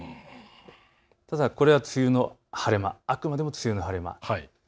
ただこれは梅雨の晴れ間あくまでも梅雨の晴れ間です。